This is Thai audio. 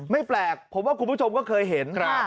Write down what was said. ไม่แปลกผมว่าคุณผู้ชมก็เคยเห็น